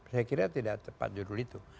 saya kira tidak tepat judul itu